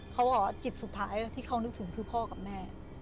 เขาบอกว่าจิตสุดท้ายที่เขานึกถึงคือพ่อกับแม่